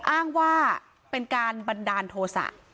อ้างว่าเป็นการบันดาลโทษะ